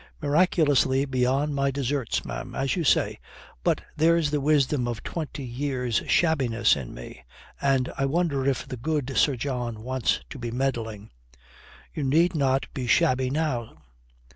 "Miraculously beyond my deserts, ma'am. As you say. But there's the wisdom of twenty years' shabbiness in me. And I wonder if the good Sir John wants to be meddling." "You need not be shabby now."